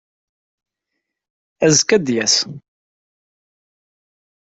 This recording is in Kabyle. Azekka ad d-yas.